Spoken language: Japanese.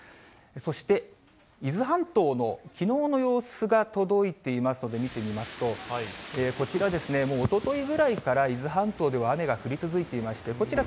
そして伊豆半島のきのうの様子が届いていますので、見てみますと、こちらですね、もうおとといぐらいから伊豆半島では雨が降り続いていまして、こちら、